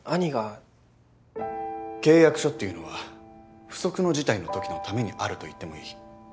契約書っていうのは不測の事態の時のためにあるといってもいい。